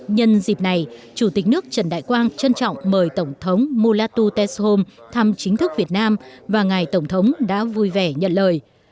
nhân dịp này chủ tịch nước trần đại quang trân trọng mời tổng thống mulatu teshom thăm chính thức việt nam và ngài tổng thống đã vui vẻ nhận lời